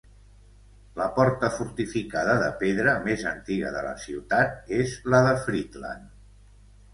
La porta fortificada de pedra més antiga de la ciutat és la de Friedland.